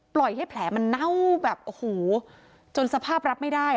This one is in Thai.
ปล่อยให้แผลมันเน่าแบบโอ้โหจนสภาพรับไม่ได้